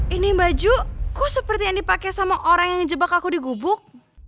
ini bajuku seperti yang dipakai sama orang yang jebak aku di gubuk